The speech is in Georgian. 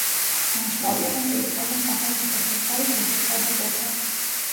აღსანიშნავია, რომ დედოფალმა სახელმწიფო საზღვარი ფეხით გადაკვეთა.